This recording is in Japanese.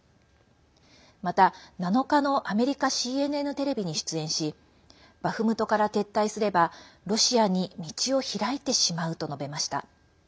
また、７日のアメリカＣＮＮテレビに出演しバフムトから撤退すればロシアに道を開いてしまうと述べました。